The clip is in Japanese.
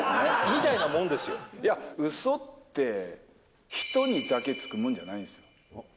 うそって、人にだけつくもんじゃないんですよ。